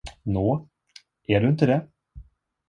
Nå, är du inte det?